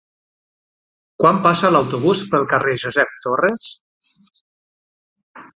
Quan passa l'autobús pel carrer Josep Torres?